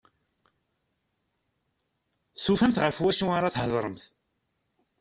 Tufamt ɣef wacu ara thedremt.